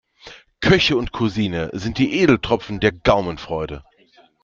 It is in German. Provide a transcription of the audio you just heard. Köche und Cuisine sind die Edeltropfen der Gaumenfreude.